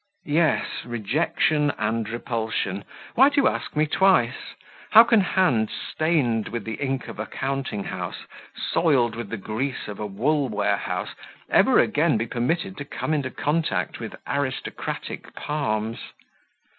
"Yes, rejection and repulsion. Why do you ask me twice? How can hands stained with the ink of a counting house, soiled with the grease of a wool warehouse, ever again be permitted to come into contact with aristocratic palms?"